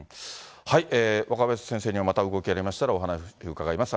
若林先生には、また動きありましたら、またお話伺います。